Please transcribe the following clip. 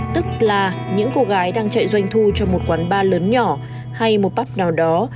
tức là những cô gái đang chạy doanh thu cho một quán bar lớn nhỏ hay một bắp nào đó